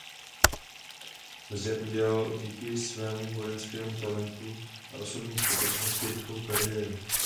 Zde udělal díky svému vojenskému talentu a osobní statečnosti rychlou kariéru.